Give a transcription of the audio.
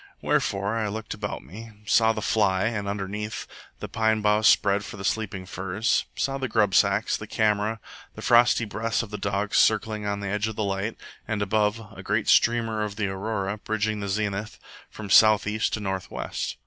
Wherefore I looked about me; saw the fly and, underneath, the pine boughs spread for the sleeping furs; saw the grub sacks, the camera, the frosty breaths of the dogs circling on the edge of the light; and, above, a great streamer of the aurora, bridging the zenith from south east to north west.